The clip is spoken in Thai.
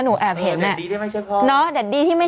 หนูแอบเห็นน่ะแดดดี้ที่ไม่ใช่พ่อเนาะแดดดี้ที่ไม่